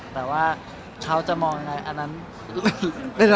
แต่ว่าเขาจะมองยังไงอันนั้นเป็นอะไร